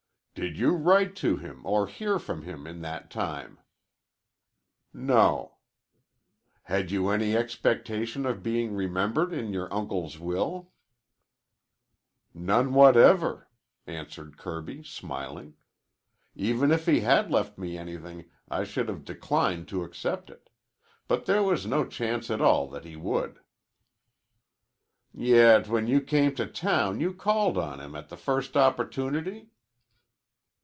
"Did you write to him or hear from him in that time?" "No." "Had you any expectation of being remembered in your uncle's will?" "None whatever," answered Kirby, smiling. "Even if he had left me anything I should have declined to accept it. But there was no chance at all that he would." "Yet when you came to town you called on him at the first opportunity?"